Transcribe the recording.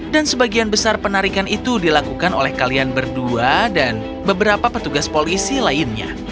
dan sebagian besar penarikan itu dilakukan oleh kalian berdua dan beberapa petugas polisi lainnya